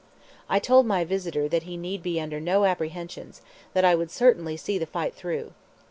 I told my visitor that he need be under no apprehensions, that I would certainly see the fight through.